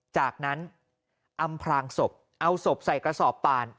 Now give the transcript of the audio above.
จากนั้นอำพลางศพเอาศพใส่กระสอบป่าน